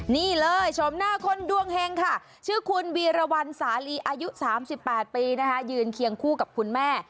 นี่เลยชมหน้าคนดวงเฮงค่ะชื่อคุณวีรวรรณสาลีอายุ๓๘ปีนะคะยืนเคียงคู่กับคุณแม่